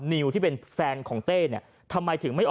ก็ได้พลังเท่าไหร่ครับ